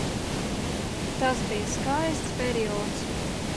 Tas bija skaists periods.